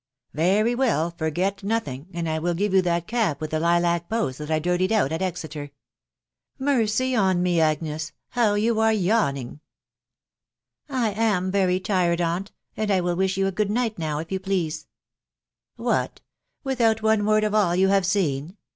" Very well, forget nothing, and I will give you that cap with the lilac bows that I dirtied out at Exeter. ... Mercy on me, Agnes, how you are yawning !"" 1 am very tired, aunt, and I will wiah ^ou %oo& night now, if you please," THE WIDOW* BARNABT. 121 " What !..•. without one word of all you have seen